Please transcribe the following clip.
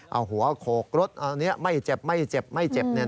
เอาหัวโขกรถไม่เจ็บไม่เจ็บไม่เจ็บ